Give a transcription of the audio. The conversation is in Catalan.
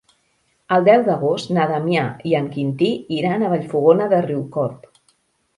El deu d'agost na Damià i en Quintí iran a Vallfogona de Riucorb.